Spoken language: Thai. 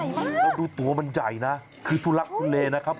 แล้วดูตัวมันใหญ่นะคือทุลักทุเลนะครับ